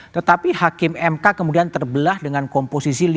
tetapi hakim mk kemudian terbelah dengan komposisi